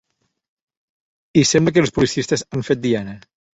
I sembla que els publicistes han fet diana.